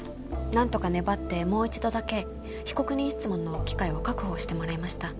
何とか粘ってもう一度だけ被告人質問の機会を確保してもらいました